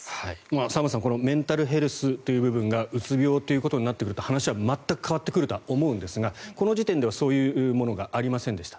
沢松さんメンタルヘルスという部分がうつ病になってくると、話は全く変わってくると思うんですがこの時点ではそういうものがありませんでした。